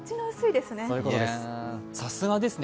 さすがですね。